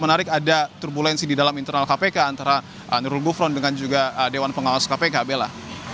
menarik ada turbulensi di dalam internal kpk antara nurul gufron dengan juga dewan pengawas kpk bella